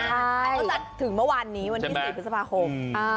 ใช่เขาจะถึงเมื่อวานนี้วันที่๔พฤษภาคม